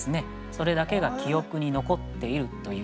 それだけが記憶に残っているというそういう。